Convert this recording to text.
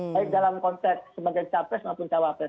baik dalam konteks sebagai cak imin maupun cak wapres